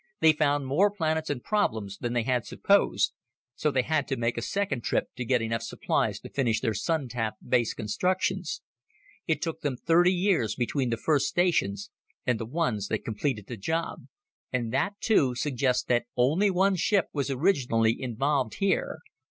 They found more planets and problems than they had supposed. So they had to make a second trip to get enough supplies to finish their Sun tap base constructions. It took them thirty years between the first stations and the ones that completed the job. "And that, too, suggests that only one ship was originally involved here.